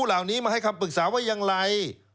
เหล่านี้มาให้คำปรึกษาว่าอย่างไร